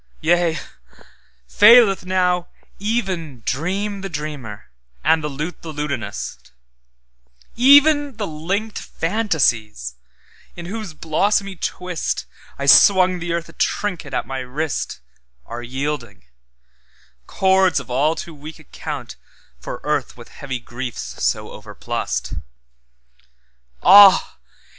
Yea, faileth now even dreamThe dreamer, and the lute the lutanist; Even the linked fantasies, in whose blossomy twistI swung the earth a trinket at my wrist, Are yielding; cords of all too weak accountFor earth with heavy griefs so overplussed. Ah!